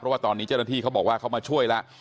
เพราะว่าตอนนี้เจ้าหน้าที่เขาบอกว่าเขามาช่วยแล้ว